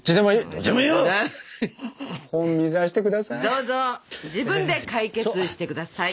どうぞ自分で解決してください。